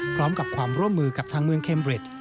พร้อมกับความร่วมมือกับทางเมืองเคมเร็ด